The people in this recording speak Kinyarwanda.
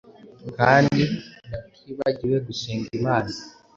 kandi batibagiwe gusenga Imana.